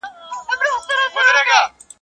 ددې عصر د هر مرض دوا ده راسره